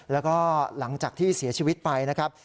แล้วก็หลังจากที่เสียชีวิตไปนะครับ